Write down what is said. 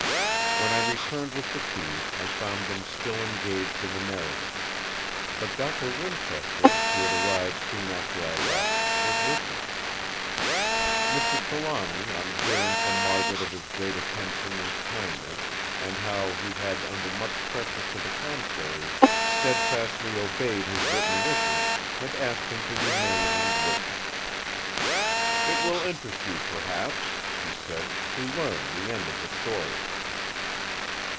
When I returned with the key, I found them still engaged in the narrative; but Doctor Winchester, who had arrived soon after I left, was with them. Mr. Trelawny, on hearing from Margaret of his great attention and kindness, and how he had, under much pressure to the contrary, steadfastly obeyed his written wishes, had asked him to remain and listen. "It will interest you, perhaps," he said, "to learn the end of the story!"